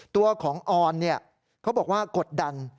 ตัวของออนเขาบอกว่ากดดัน